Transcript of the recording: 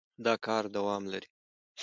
دا کار دوام لري.